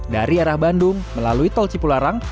dari arah bandung melalui tol cipularang